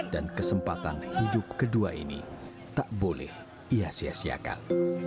dan kesempatan hidup kedua ini tak boleh ia sia siakan